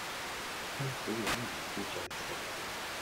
辛苦搵嚟志在食